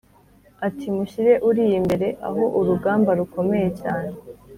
ati “Mushyire Uriya imbere aho urugamba rukomeye cyane